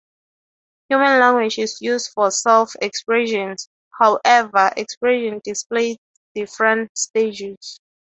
Human language is used for self-expression; however, expression displays different stages.